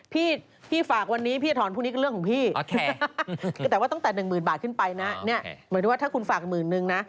พี่พี่ฝากวันนี้พี่จะถอนพรุ่งนี้ก็เรื่องของพี่แต่ว่าตั้งแต่๑๐๐๐บาทขึ้นไปนะเนี่ยหมายถึงว่าถ้าคุณฝากหมื่นนึงนะ